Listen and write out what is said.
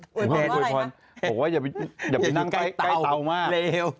โอยพรว่าไงครับโอยพรว่าอย่าไปนั่งใกล้เตามาก